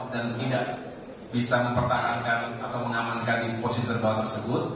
dan tidak bisa mempertahankan atau menamankan posisi terbaik tersebut